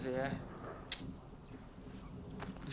mau dengan penyanyi ke sleeping beauty